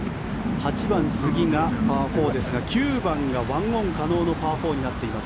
８番、次がパー４ですが９番が１オン可能なパー４になっています。